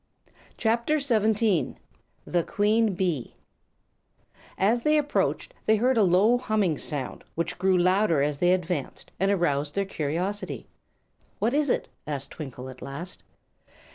[CHAPTER XVII] The Queen Bee As they approached they heard a low, humming sound, which grew louder as they advanced and aroused their curiosity. "What is it?" asked Twinkle, at last.